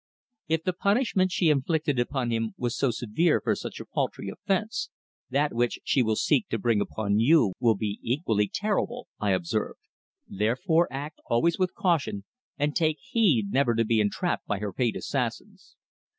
"If the punishment she inflicted upon him was so severe for such a paltry offence, that which she will seek to bring upon you will be equally terrible," I observed. "Therefore act always with caution, and take heed never to be entrapped by her paid assassins."